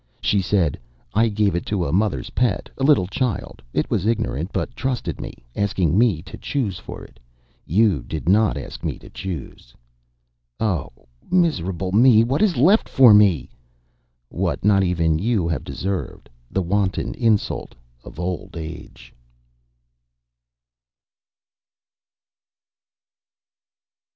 She said: "I gave it to a mother's pet, a little child. It was ignorant, but trusted me, asking me to choose for it. You did not ask me to choose." "Oh, miserable me! What is left for me?" "What not even you have deserved: the wanton insult of Old Age."